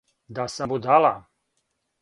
Да сам будала?